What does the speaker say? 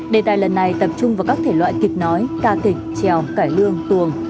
đề tài lần này tập trung vào các thể loại kịch nói ca kịch trèo cải lương tuồng